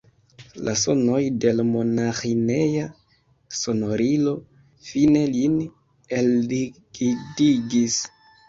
La sonoj de l' monaĥineja sonorilo fine lin elrigidigis.